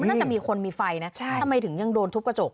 น่าจะมีคนมีไฟนะทำไมถึงยังโดนทุบกระจก